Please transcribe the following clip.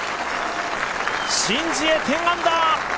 シン・ジエ、１０アンダー！